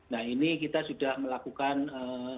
nah ini kita sudah melakukan strategi mitigasi